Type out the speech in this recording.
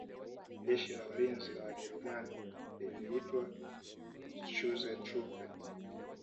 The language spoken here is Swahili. Jeshi la Ulinzi wa Wajerumani liliitwa Schutztruppe